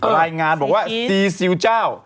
รายงานบอกว่าซีซิลเจ้า